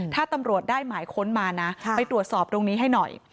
ถ้าตำรวจได้หมายค้นมานะไปตรวจสอบตรงนี้ให้หน่อย